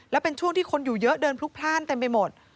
แล้วเป็นช่วงที่คนอยู่เยอะเดินพลุกพลาดเต็มไปหมด